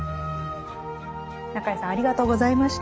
中江さんありがとうございました。